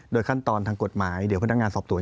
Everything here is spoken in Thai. ขั้นตอนทางกฎหมายเดี๋ยวพนักงานสอบสวน